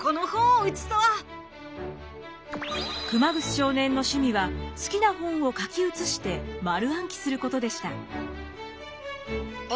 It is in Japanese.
熊楠少年の趣味は好きな本を書き写して丸暗記することでした。